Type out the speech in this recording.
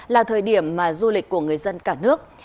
là thời điểm mà du lịch của người dân cả nước